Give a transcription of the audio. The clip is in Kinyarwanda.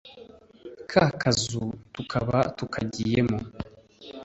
ka kazu tukaba tukagiyemo.